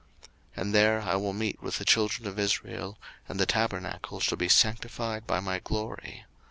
02:029:043 And there I will meet with the children of Israel, and the tabernacle shall be sanctified by my glory.